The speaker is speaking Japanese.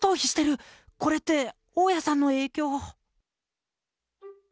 これって大家さんの影響。